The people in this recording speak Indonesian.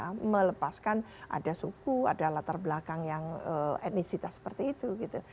indonesia tidak bisa melepaskan ada suku ada latar belakang yang etnisitas seperti itu gitu